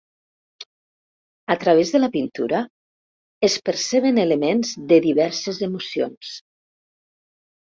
A través de la pintura es perceben elements de diverses emocions.